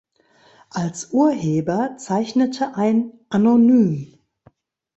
Als Urheber zeichnete ein „Anonym“.